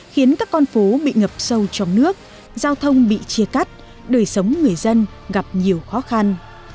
khiến các con phố bị ngập sâu trong nước giao thông bị chia cắt đời sống người dân gặp nhiều khó khăn